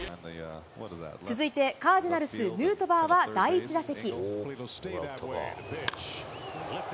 続いて、カージナルス、ヌートバーは第１打席。